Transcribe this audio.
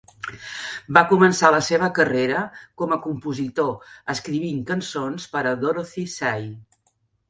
Va començar la seva carrera com a compositor escrivint cançons per a Dorothy Shay.